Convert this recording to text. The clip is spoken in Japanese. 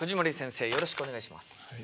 よろしくお願いします。